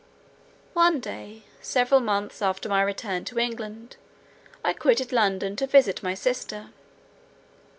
One day, several months after my return to England, I quitted London to visit my sister.